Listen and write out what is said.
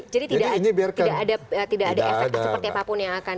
jadi tidak ada efek seperti apapun yang akan dialami oleh pak selamat